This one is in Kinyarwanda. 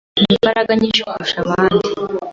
imbaraga nyinshi kurusha ibindi